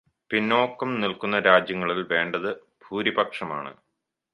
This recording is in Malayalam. പിന്നോക്കം നിൽക്കുന്ന രാജ്യങ്ങളിൽ വേണ്ടത് ഭൂപരിഷ്കരണമാണ്.